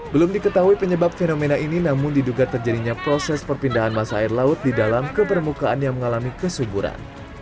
belum diketahui penyebab fenomena ini namun diduga terjadinya proses perpindahan masa air laut di dalam ke permukaan yang mengalami kesuburan